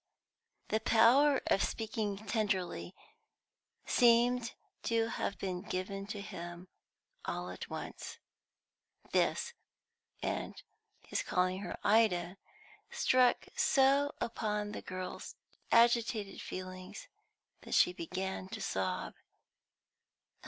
The power of speaking tenderly seemed to have been given to him all at once; this and his calling her "Ida," struck so upon the girl's agitated feelings that she began to sob.